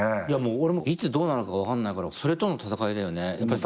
いや俺もいつどうなるか分かんないからそれとの闘いだよね。